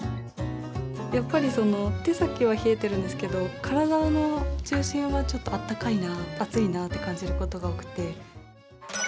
やっぱりその手先は冷えてるんですけど体の中心はちょっと温かいな暑いなって感じることが多くて。